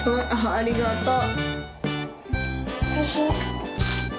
ありがとう。